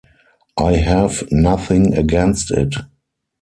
I have nothing against it.